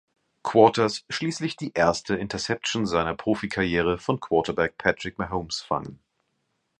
Quarters schließlich die erste Interception seiner Profikarriere von Quarterback Patrick Mahomes fangen.